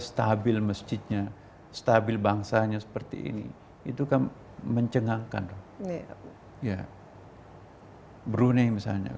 stabil masjidnya stabil bangsanya seperti ini itu kan mencengangkan ya ya hai brunei